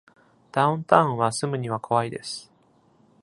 ダウンタウンは住むには怖いです。